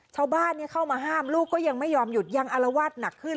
ชาวบ้านเข้ามาห้ามลูกก็ยังไม่ยอมหยุดยังอารวาสหนักขึ้น